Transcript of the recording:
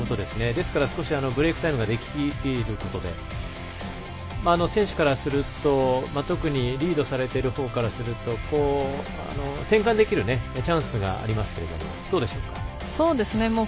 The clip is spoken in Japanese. ですから、少しブレークタイムができることで選手からすると特にリードされている方からすると転換できるチャンスがありますがどうでしょうか。